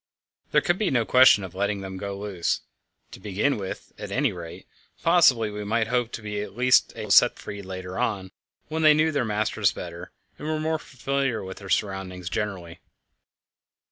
There could be no question of letting them go loose to begin with, at any rate; possibly, we might hope to be able to set them free later on, when they knew their masters better and were more familiar with their surroundings generally.